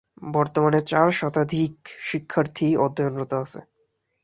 বর্তমানে চার শতাধিক শিক্ষার্থী অধ্যয়নরত আছে।